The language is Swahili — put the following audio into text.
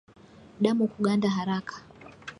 Damu kuganda haraka